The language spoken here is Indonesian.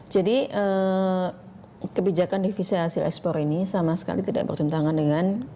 jadi kebijakan devisa hasil ekspor ini sama sekali tidak bercentangan dengan